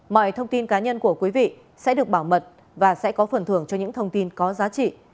mọi thông tin cá nhân của quý vị sẽ được bảo mật và sẽ có phần thưởng cho những thông tin có giá trị